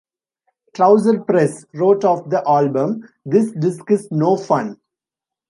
"Trouser Press" wrote of the album: "This disc is no fun".